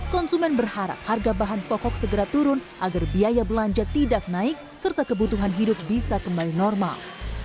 konsumen berharap harga bahan pokok segera turun agar biaya belanja tidak naik serta kebutuhan hidup bisa kembali normal